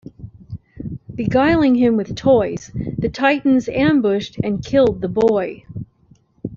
Beguiling him with toys, the Titans ambushed and killed the boy.